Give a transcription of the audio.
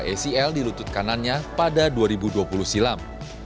cedera acl di lutut kanannya pada dua ribu dua puluh silam